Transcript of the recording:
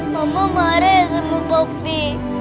mama marah ya sama poppy